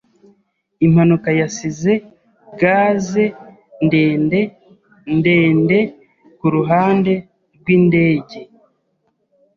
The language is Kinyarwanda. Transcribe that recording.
Impanuka yasize gaze ndende, ndende kuruhande rwindege.